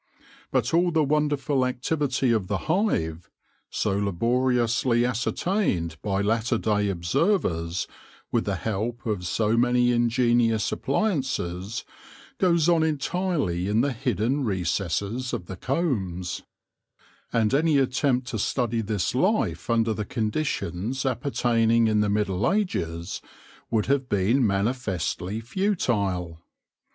But all the wonderful activity of the hive, so laboriously ascer tained by latter day observers, with the help of so many ingenious appliances, goes on entirely in the hidden recesses of the combs ; and any attempt to study this life under the conditions appertaining in the Middle Ages would have been manifestly futile.